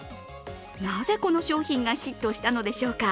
なぜ、この商品がヒットしたのでしょうか。